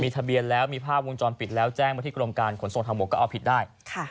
ทะเบียนแล้วมีภาพวงจรปิดแล้วแจ้งมาที่กรมการขนส่งทางบกก็เอาผิดได้